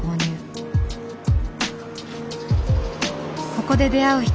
ここで出会う人